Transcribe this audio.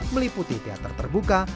meliputi teater terbuka